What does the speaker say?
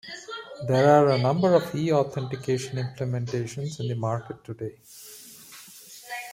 There are a number of eAuthentication implementations in the market today.